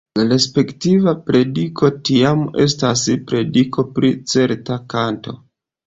La respektiva prediko tiam estas prediko pri certa kanto.